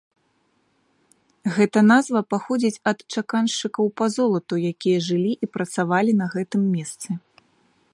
Гэта назва паходзіць ад чаканшчыкаў па золату, якія жылі і працавалі на гэтым месцы.